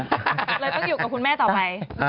ก็เลยต้องอยู่กับคุณแม่ต่อไป